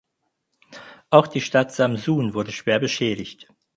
Auch die Stadt Samsun wurde schwer beschädigt.